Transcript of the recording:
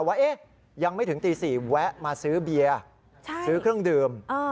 ว่ายังไม่ถึงตี๔แวะมาซื้อเบียร์ซื้อเครื่องดื่ม